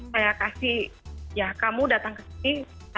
saya kasih ya kamu datang ke sini